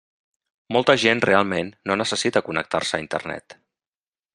Molta gent realment no necessita connectar-se a Internet.